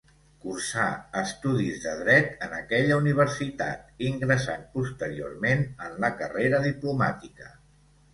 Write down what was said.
Cursà estudis de Dret en aquella Universitat, ingressant posteriorment en la carrera diplomàtica.